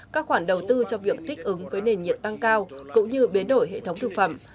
các khoản đầu tư cho việc thích ứng với nền nhiệt tăng cao cũng như biến đổi hệ thống thực phẩm